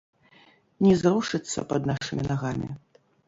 Не зрушыцца пад нашымі нагамі.